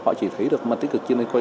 họ chỉ thấy được mặt tích cực